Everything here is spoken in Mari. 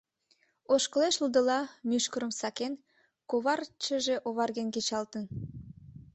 Ошкылеш лудыла, мӱшкырым сакен, коварчыже оварген кечалтын.